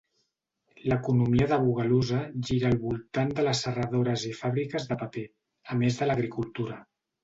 L'economia de Bogalusa gira al voltant de les serradores i fàbriques de paper, a més de l'agricultura.